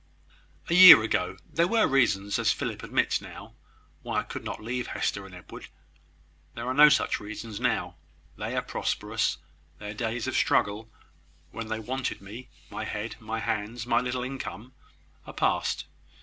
"A year ago, there were reasons, as Philip admits now, why I could not leave Hester and Edward. There are no such reasons now. They are prosperous: their days of struggle, when they wanted me my head, my hands, my little income are past.